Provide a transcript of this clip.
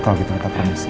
kalau gitu saya permisi